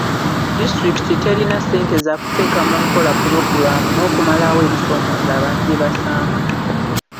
Disitulikiti terina ssente zakuteeka mu nkola pulogulaamu n'okumalawo ebisoomooza abantu bye basanga.